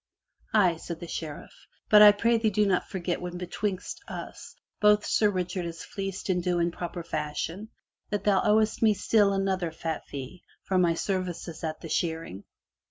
'* *'Aye," said the Sheriff. "But I prithee do not forget when betwixt us both Sir Richard is fleeced in due and proper fashion, that thou owest me still another fat fee, for my services at the shearing.